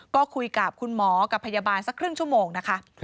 ก็คุยกับคุณหมอกับพยาบาลสักครึ่งชั่วโมงนะคะ